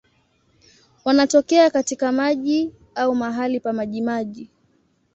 Wanatokea katika maji au mahali pa majimaji.